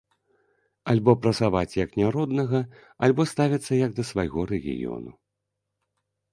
Альбо прасаваць як не роднага, альбо ставіцца як да свайго рэгіёну.